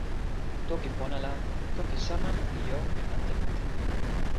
toki pona la, toki sama li jo e ante mute.